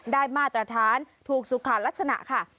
ได้มาตรฐานถูกสุขานักราศณะค่ะ